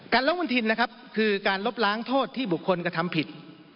ละมุนทินนะครับคือการลบล้างโทษที่บุคคลกระทำผิด